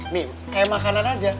nih kayak makanan aja